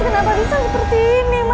kenapa bisa seperti ini